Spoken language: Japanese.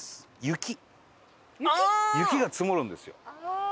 雪が積もるんですよ。